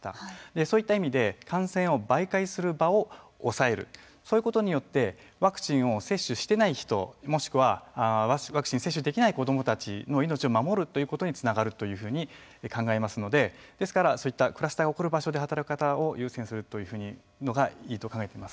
そういった意味で感染を媒介する場を抑えるそういうことによってワクチンを接種してない人もしくはワクチン接種できない子どもたちの命を守るということにつながるというふうに考えますのでですから、そういったクラスターが起こる場所で働く方を優先するというのがいいと考えています。